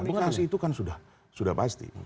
komunikasi itu kan sudah pasti